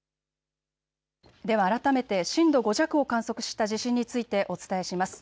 では改めて震度５弱を観測した地震についてお伝えします。